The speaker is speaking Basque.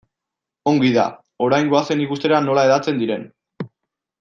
Ongi da, orain goazen ikustera nola hedatzen diren.